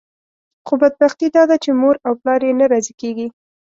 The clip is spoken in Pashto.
خو بدبختي داده چې مور او پلار یې نه راضي کېږي.